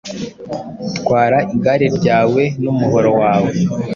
Twara igare ryawe n'umuhoro wawe